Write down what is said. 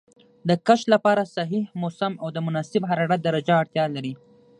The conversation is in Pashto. د کښت لپاره صحیح موسم او د مناسب حرارت درجه اړتیا لري.